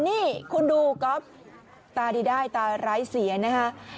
นี่คุณดูก๊อฟตาดีได้ตาร้ายเสียนะคะ